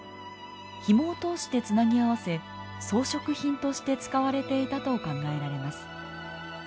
ひもを通してつなぎ合わせ装飾品として使われていたと考えられます。